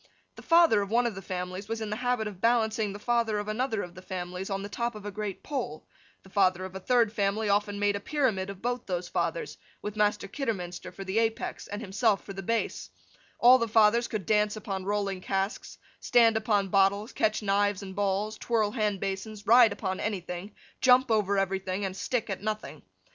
The father of one of the families was in the habit of balancing the father of another of the families on the top of a great pole; the father of a third family often made a pyramid of both those fathers, with Master Kidderminster for the apex, and himself for the base; all the fathers could dance upon rolling casks, stand upon bottles, catch knives and balls, twirl hand basins, ride upon anything, jump over everything, and stick at nothing.